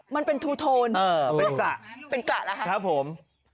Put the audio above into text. มันเป็นทูโทนเป็นกระเป็นกระแล้วค่ะครับผม